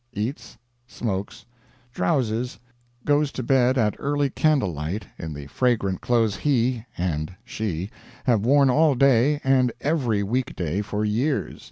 eats, smokes, drowses; goes to bed at early candlelight in the fragrant clothes he (and she) have worn all day and every week day for years.